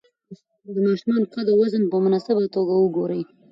د ماشومانو قد او وزن په منظمه توګه وګورئ.